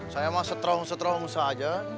saya mah strong strong saja